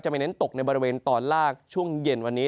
ไม่เน้นตกในบริเวณตอนล่างช่วงเย็นวันนี้